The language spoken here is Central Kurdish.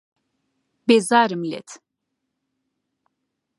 بێزارم لێت.